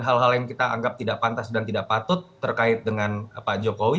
hal hal yang kita anggap tidak pantas dan tidak patut terkait dengan pak jokowi